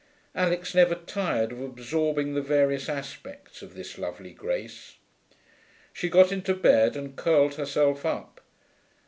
Alix never tired of absorbing the various aspects of this lovely grace. She got into bed and curled herself up.